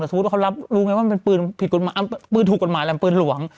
สมมุติว่าเขารับรู้ไงว่ามันเป็นปืนผิดกฎหมายปืนถูกกฎหมายแหลมปืนหลวง